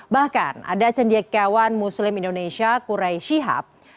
bahkan ada cendekiawan muslim indonesia kurey shihab